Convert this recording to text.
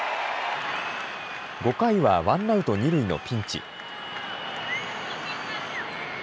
５回はワンアウト２塁のピンチ。